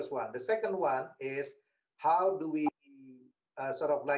saya bisa melihat kita bisa memulai